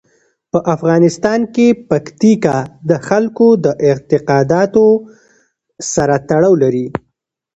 په افغانستان کې پکتیکا د خلکو د اعتقاداتو سره تړاو لري.